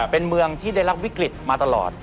เป็นเมืองที่ได้รับวิกฤตมาตลอด